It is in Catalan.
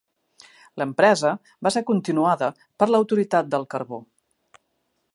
L'empresa va ser continuada per l'Autoritat del Carbó.